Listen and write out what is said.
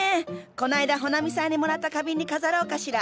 こないだ穂奈美さんにもらった花瓶に飾ろうかしら。